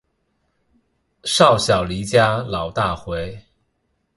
少小离家老大回